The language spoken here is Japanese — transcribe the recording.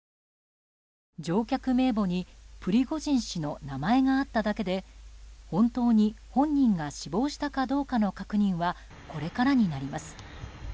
乗客名簿にプリゴジン氏の名前があっただけで本当に本人が死亡したかどうかの確認はこれからになります。